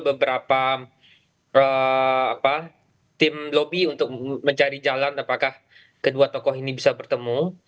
beberapa tim lobby untuk mencari jalan apakah kedua tokoh ini bisa bertemu